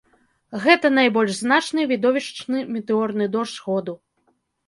Гэта найбольш значны і відовішчны метэорны дождж году.